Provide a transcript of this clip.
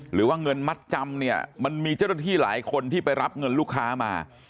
หรือว่าเงินมัดจำเนี่ยมันมีเจ้าหน้าที่หลายคนที่ไปรับเงินลูกค้ามา